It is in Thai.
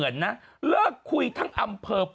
อยากกันเยี่ยม